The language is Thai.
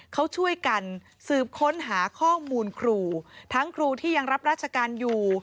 เขาช่วยกันสืบค้นหาข้อมูลครูทั้งครูที่ยังรับราชการอยู่